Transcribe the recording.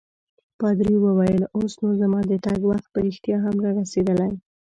پادري وویل: اوس نو زما د تګ وخت په رښتیا هم رارسیدلی.